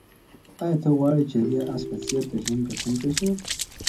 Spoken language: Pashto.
آیا ته غواړې چې د دې آس په څېر د ژوند ګټونکی شې؟